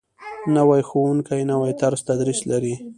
نوی ښوونکی نوی طرز تدریس لري